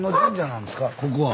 ここは。